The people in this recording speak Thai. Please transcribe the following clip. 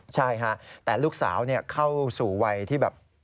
ใช่ฮะแต่ลูกสาวเข้าสู่วัยที่แบบ